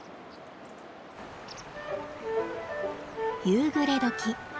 夕暮れ時。